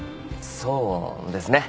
そうですね。